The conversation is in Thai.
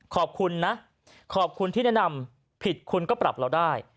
ขอบคุณนะขอบคุณที่แนะนำผิดคุณก็ปรับเราได้